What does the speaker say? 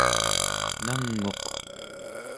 nang'uq